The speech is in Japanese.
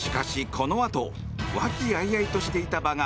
このあと和気あいあいとしていた場が